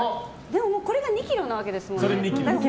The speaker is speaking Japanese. これが２ｋｇなわけですもんね。